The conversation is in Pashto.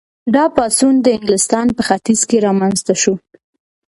دا پاڅون د انګلستان په ختیځ کې رامنځته شو.